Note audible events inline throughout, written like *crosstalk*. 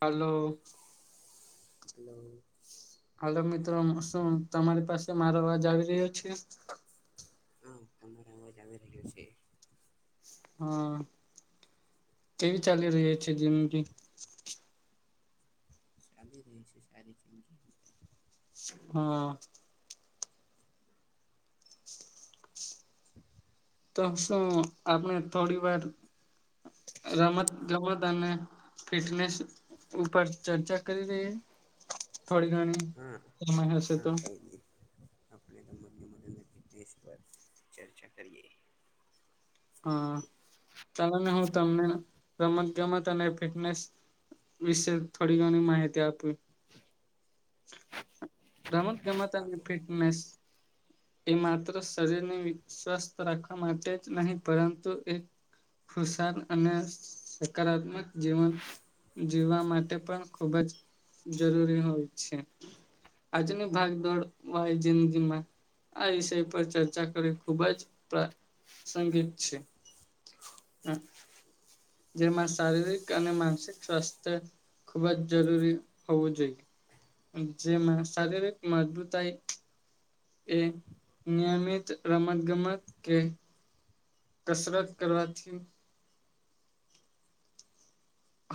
હાલો hello hello મિત્રો શું તમારી પાસે મારો અવાજ આવી રહ્યો છે હા તમારો અવાજ આવી રહ્યો છે હા કેવી ચાલી રહી છે જીંદગી ચાલી રહી છે સારી જીંદગી હા તો શું આપણે થોડી વાર રમત રમત અને ફિટનેસ ઉપર ચર્ચા કરી રહ્યે થોડી ધણી હા હા કઈ ની આપણે તો મદદ મદદ ફટનેસ પર ચર્ચા કરીએ હા ત હું તમને રમત ગમત અને ફિટનેસ વિશે થોડી ઘણી માહિતી આપવી રમત ગમત અને આપો ફિટનેસ એ માત્ર શરીરને સ્વસ્થ રાખવા માટે જ નહીં પરંતુ એ ખુશાન અને સકારાત્મક જીવન જીવવા માટે પણ ખુબ જ જરૂરી હોય છે આજની ભાગદોડ વાળી જિંદગીમાં આ વિષય પર ચર્ચા કરી ખુબ જ પ્રસંગિક છે હમ્મ જેમાં શારીરિક અને માનસિક સ્વાસ્થ્ય ખુબ જ જરૂરી હોવું જોઈએ જેમાં શારીરિક મજબૂતાઈ એ નિયમિત રમત ગમત કે કસરત કરવાથી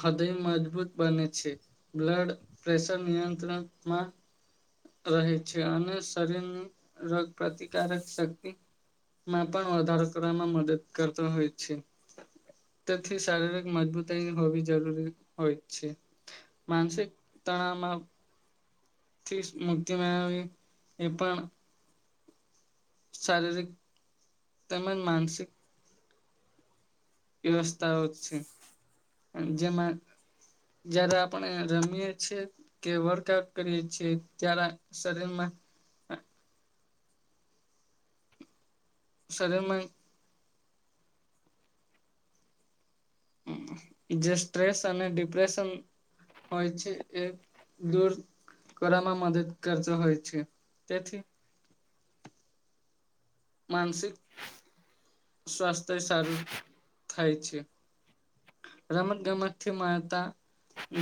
હૃદય મજબૂત બને છે બ્લડ પ્રેશર નિયંત્રણમાં રહે છે અને શરીરની રોગ પ્રતિકારક શક્તિ માં પણ વધારો કરવામાં મદદ કરતા હોય છે. તેથી શારીરિક મજબૂતાઈ - હોવી જરૂરી હોય છે માનસિક તણાવમાં થી મુક્તિ મેળવી એ પણ શારીરિક તેમજ માનસિક વ્યવસ્થાઓ છે જેમાં જયારે આપણે રમીએ છીએ. કે વર્કઆઉટ કરીએ છીએ ત્યારે શરીરમાં સરેમાં જે સ્ટ્રેસ અને ડિપ્રેશન હોય છે એક દૂર કરવામાં મદદ કરતો હોય છે તેથી માનસિક સ્વાસ્થ્ય સારું થાય છે. રમત ગમતથી મળતા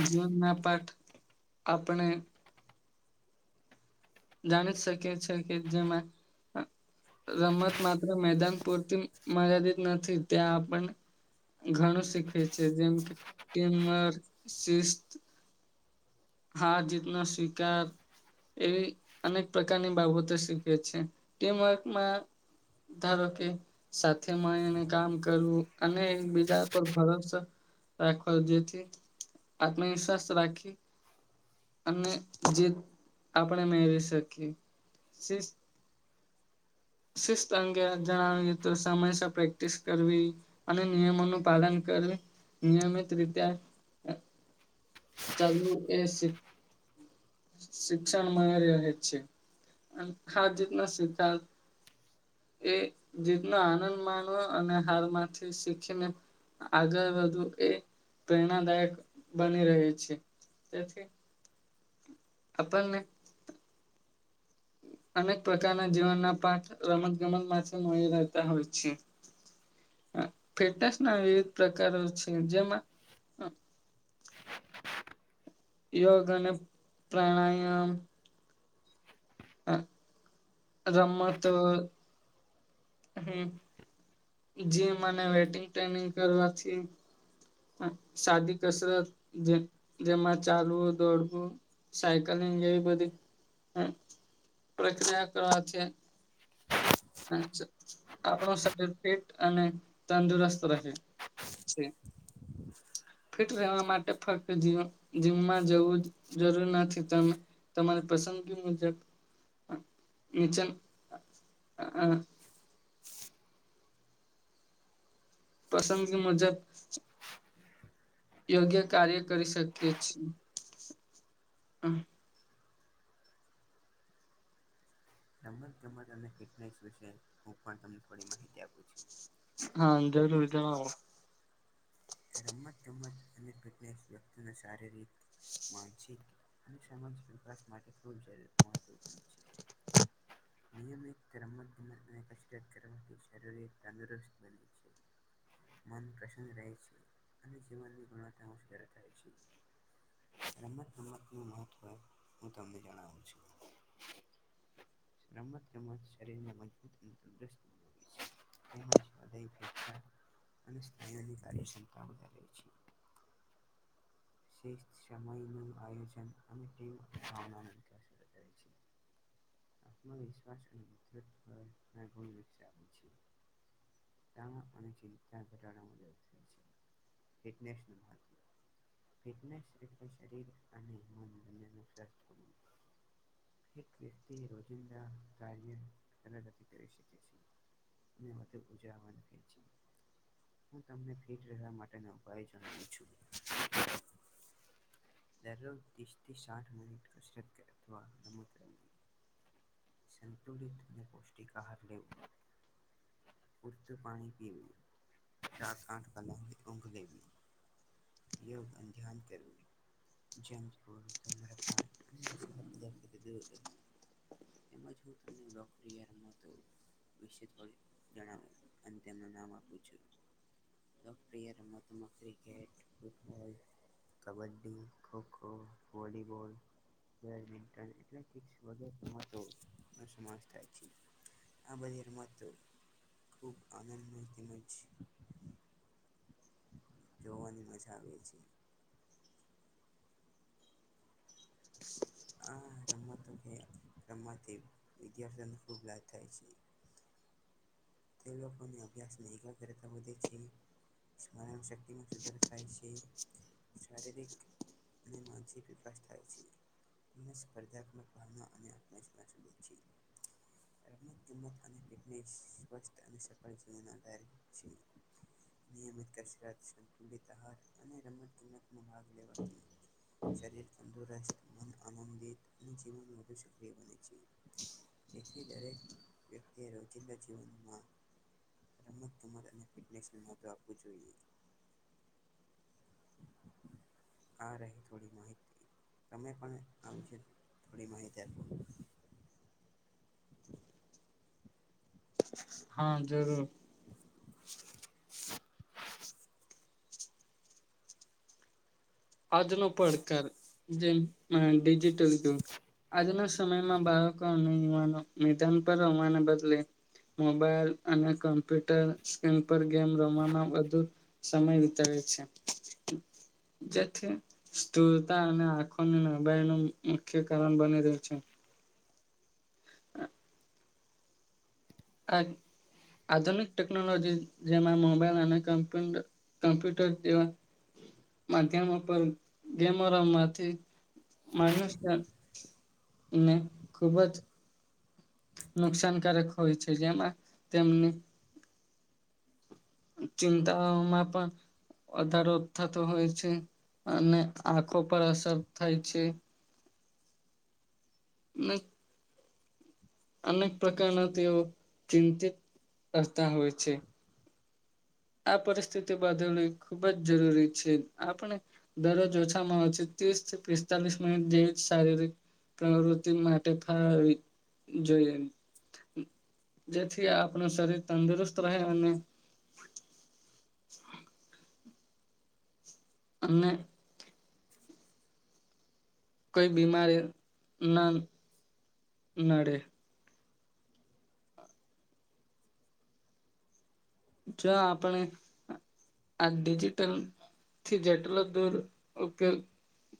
જીવન ના પાઠ આપણે જાણી જ શકીએ છી કે જેમાં રમત માત્ર મેદાન પૂરતી મર્યાદિત નથી ત્યાં આપને ઘણું શીખવે છે જેમ કે ટીમવર્ક, શિસ્ત હાર જ઼ીતનો સ્વીકાર એવી અનેક પ્રકારની બાબતો શીખવે છે ટીમવર્કમાં ધારો કે સાથે મળીને કામ કરવું અને બીજા પર ભરોસો રાખવો જેથી આત્મવિશ્વાસ રાખી અને જીત આપણે મેળવી શકીએ. શિસ્ત શિસ્ત અંગે જણાવીએ તો સમયસ પ્રેક્ટિસ કરવી અને નિયમોનું પાલન કરી નિયમિત રીતે ચાલવું એ શીખ શિક્ષણ મળી રહે છે અન હાર જીતના સ્વીકાર એ જીતનો આનંદ માનવા અને હાર માંથી શીખીને આગર વધવું એ પ્રેરણાદાયક બની રહે છે તેથી આપનને અનેક પ્રકારના જીવનના પાઠ રમત ગમત માં મેરવતા હોય છે. હા ફિટનેશ ના વિવિધ પ્રકારો છે જેમાં યોગ અને પ્રાણાયામ હ હા. રમતો હમ જીમ અને વેટિંગ ટ્રેનિંગ કરવાથી સાદી કસરત જે જેમાં ચાલવું, દોડવું સાયકલિંગ જેવી બધી હમ પ્રક્રિયા કરવા છે. પણ ચ આપણું શરીર ફિટ અને તંદુરસ્ત રહે છે ફિટ રહેવા માટે ફક્ત એ જીવ જીમમાં જવું જરૂર નથી તમે તમારી પસંદગી મુજબ હ મિચમ હા હ પસંદગી મુજબ યોગ્ય કાર્ય કરી શકીએ છીએ. હમ. રમત ગમત અને ફિટનેસ વિશે હું પણ તમને થોડી માહિતી આપું છું. હા જરૂર જણાવો. રમત ગમત અને ફિટનેસ વ્યક્તિને સારી રીત માનસિક અને સામાન વિકાસ માટે ખૂબ શરીર મહત્વપૂર્ણ છે, નિયમિત રમત ગમત અને કસરત કરવાથી શરૂરી તંદુરસ્ત બને છે. મન પ્રસન્ન રહે છે. અને જીવનની ગુણવત્તા નું *unintelligible* થાય છે. રમત ગમત નું મહત્ત્વ હું તમને જણાવું છું. રમતગમત શરીરને મજબૂત અને તંદુરસ્ત *inaudible* અને સ્નાયુની કાર્યક્ષમતા વધારે છે. શિસ્ત સમયનું આયોજન અને ટીમ ભાવના *unintelligible* શરૂ કરે છે. આત્મવિશ્વાસ અને ઉદટ પર ના ગુણ વિકસાવે છે. માં અને ચિંતા ઘટાડા મુજબ થાય છે ફિટનેસનું *unintelligible* ફિટનેસ એટલે શરીર અને મન બંનેનુ સ્વસ્થ રેવું. એક વ્યક્તિ રોજિંદા કાર્ય જલગથી કરી શકે છે. ને મ ઉજાવાને ફે છે. હું તમને ફિટ રહેવા માટેનો ઉપાય જણાવું છું. દરરોજ તીસથી સાઠ મિનિટ કસરત કર અથવા રમત *unintelligible* સંતુલિત ને પૌષ્ટિક આહાર લેવું પરતું પાણી પીવુ સાત આઠ કલાક ઊઘ લેવી એ અમજહાન કરું *unintelligible* જંકફુડ ધૂમ્રપાન અને નશિલા પદાર્થથી દૂર રહેવું તેમજ હું તમને બકરી યારમાં તો વસે જ પડી *unintelligible* જણાવું અને તેમનું નામ આપું છું પ્રિય રમતમાં cricket football kabaddi kho kho volleyball badminton athlete સમાતો સમાેશ થાય છે, *unintelligible* આ બધી રમતો ખૂબ આનંદ માયે તેમજ જોવાની મજા આવે છે, આ રમતો ને રમવાથી વિદ્યાર્થીઓને ખૂબ લાભ થાય છે, તે લોકોને અભ્યાસની એકાગ્રતા વધે છે સ્મરણ શક્તિ મા સુધારો થાય છે, શારીરિક અને માનસિક વિકાસ થાય છે *unintelligible* કિંમત અનેને સ્વસ્થ અને સફળ જીવન આધાર છે, *unintelligible* નિયમિત કસરત વિવિધ આહાર અને રમત ગમત ભાગ લેવાથી શરીર તંદુરસ્ત મન આનંદિત અને જીવન વધુ સક્રિય બને છે, તેથી દરેક વ્યક્તિ રોજિંદી *unintelligible* રમતત આપવું જોઈએ *inaudible* આ રહી થોડી માહિતી તમે પણ આવી છે, થોડી માહિતી આપો *inaudible* હા જરૂર *unintelligible* આજનો પડકાર જેમ ડિજિટલુગ *unintelligible* આજના સમયમાં બાળકો અને યુવાનો મેદાન પર રમવા ને બદલે મોબાઈલ અને કમ્પ્યુટર સ્ક્રીન પર ગેમ રમવામાં બધુ સમય વિતાવે છે, જેથી સ્થૂળતા અને આંખોની નબળાઈ નું મુખ્ય કારણ બની રહ્યું છે, હ આ આધુનિક ટેકનોલોજી જેમાં મોબાઈલ અને કમ્પ્યુટર કમ્પ્યુટર જેવા માધ્યમો પર ગેમો રમવાથી મનુષ્ય ને ખૂબ જ નુકસાનકારક હોય છે જેમાં તેમની ચિંતાઓમાં પણ વધારો થતો હોય છે અને આંખો પર અસર થાય છે *unintelligible* અનેક પ્રકારના તેઓ ચિંતિત કરતા હોય છે આ પરિસ્થિતિ *unintelligible* ખુબ જ જરૂરી છે આપણે દરરોજ ઓછામાં ઓછી ત્રીસ થી પિસ્તાલીસ મિનિટ જેવી શારીરિક પ્રવૃતિ માટે ફાળવી જોઈએ જેથી આપનું શરીર તંદુરસ્ત રહે અને *unintelligible* *inaudible* કોઈ બીમારી ના નડે. જો આપણે આ ડિજિટલ થી જેટલો દૂર ઉપયોગ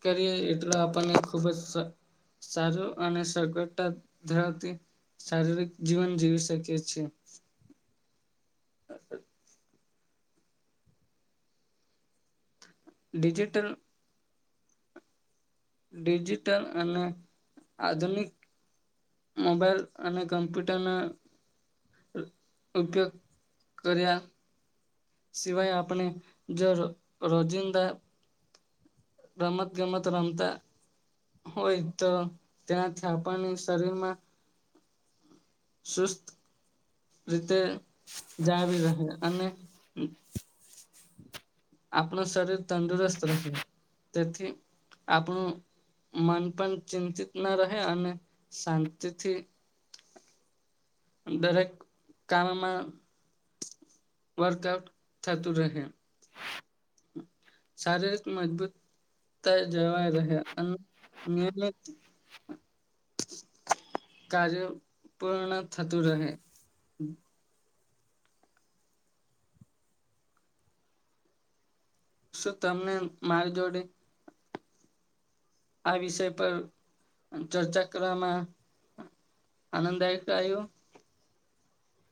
કરીએ એટલા આપણને ખૂબ જ સા સારો અને સગવાળતા ધરાવતી શારીરિક જીવન જીવી શકી છેએ. *unintelligible* ડિજિટલ ડિજિટલ અને આધુનિક મોબાઈલ અને કમ્પ્યુટરના ઉપયોગ કર્યા સિવાય આપણી જો રોજિંદા રમત ગમત રમતા હોય તો તેનાથી આપની શરીરમાં સુસ્ત રીતે જાવી રહે અને *inaudible* આપણું શરીર તંદુરસ્ત રહે તેથી આપણું મન પણ ચિંતિત ના રહે અને શાંતિથી દરેક કામમાં વર્કઆઉટ થતું રહે. શારીરિક મજબૂત તા જવાઈ રહે અને નિયમિત કાર્ય પૂર્ણ થતું રહે. શું તમને મારી જોડે આ વિષય પર ચર્ચા કરવામાં આનંદાઇક *unintelligible*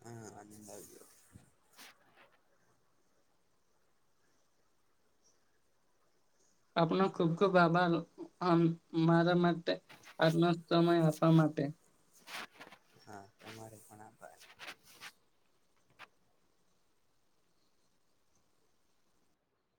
હા આનંદ આવ્યો. આપનો ખુબ ખુબ આભાર આમ મારા માટે આજનો સમય આપવા માટે. હા તમારે પણ આભાર.